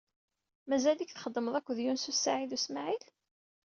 Mazal-ik txeddmed akked Yunes u Saɛid u Smaɛil?